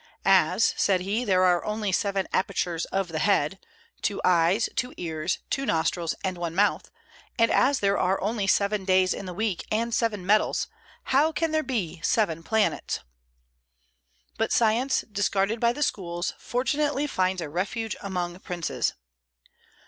"As," said he, "there are only seven apertures of the head, two eyes, two ears, two nostrils, and one mouth, and as there are only seven days in the week and seven metals, how can there be seven planets?" But science, discarded by the schools, fortunately finds a refuge among princes.